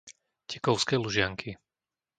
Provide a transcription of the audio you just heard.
Tekovské Lužianky